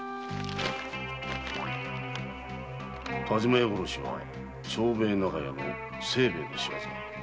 「但馬屋殺しは長兵衛長屋の清兵衛の仕業。